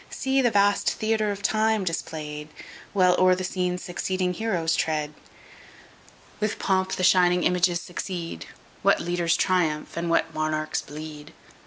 See the vast Theatre of Time display'd, While o'er the scene succeeding heroes tread! With pomp the shining images succeed, What leaders triumph, and what monarchs bleed!